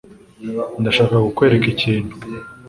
ndashaka kukwereka ikintu.